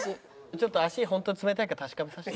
ちょっと足ホントに冷たいか確かめさせて。